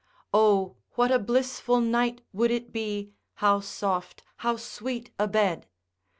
O what a blissful night would it be, how soft, how sweet a bed!